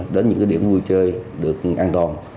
đến những cái địa điểm vui chơi được an toàn